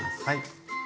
はい。